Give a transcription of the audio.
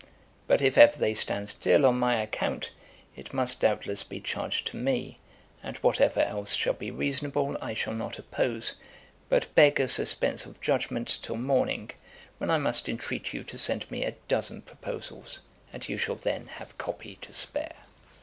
But if ever they stand still on my account, it must doubtless be charged to me; and whatever else shall be reasonable, I shall not oppose; but beg a suspense of judgment till morning, when I must entreat you to send me a dozen proposals, and you shall then have copy to spare.